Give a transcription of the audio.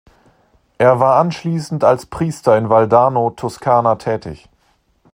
Er war anschließend als Priester in Valdarno, Toscana, tätig.